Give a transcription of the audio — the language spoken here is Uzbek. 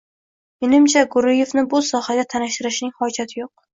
Menimcha, Gurievni bu sohaga tanishtirishning hojati yo'q